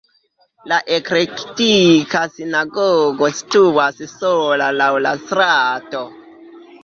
La eklektika sinagogo situas sola laŭ la strato.